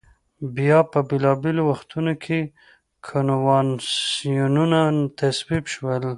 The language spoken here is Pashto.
بیا په بېلا بېلو وختونو کې کنوانسیونونه تصویب شول.